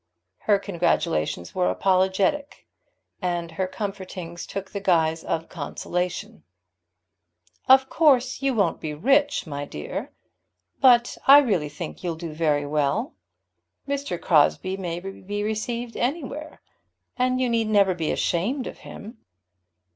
Her congratulations were apologetic, and her comfortings took the guise of consolation. "Of course you won't be rich, my dear; but I really think you'll do very well. Mr. Crosbie may be received anywhere, and you never need be ashamed of him."